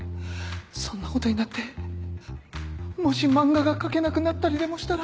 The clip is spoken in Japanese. そんなことになってもし漫画が描けなくなったりでもしたら。